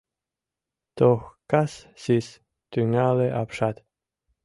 — Тох кас сис, — тӱҥале апшат.